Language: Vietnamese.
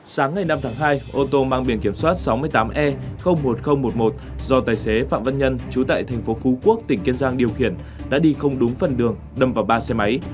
sáng ngày năm tháng hai ô tô mang biển kiểm soát sáu mươi tám e một nghìn một mươi một do tài xế phạm văn nhân chú tại thành phố phú quốc tỉnh kiên giang điều khiển đã đi không đúng phần đường đâm vào ba xe máy